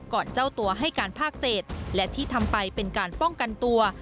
เจ้าตัวให้การภาคเศษและที่ทำไปเป็นการป้องกันตัว